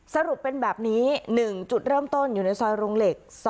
สรุปเป็นแบบนี้๑จุดเริ่มต้นอยู่ในซอยโรงเหล็ก๒